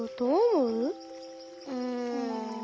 うん。